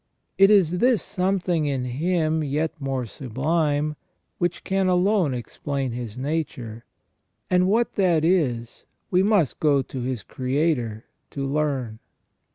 "* It is this something in him yet more sublime which can alone explain his nature, and what that is we must go to his Creator to learn.